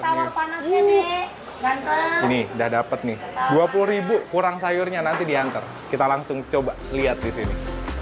eh tawar panasnya nih ganteng ini udah dapat nih dua puluh ribu kurang sayurnya nanti diantar kita langsung coba lihat di sini